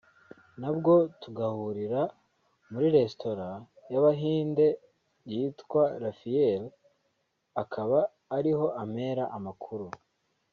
na bwo tugahurira muri restorant y’ abahinde yitwa La fiere akaba ari ho ampera amakuru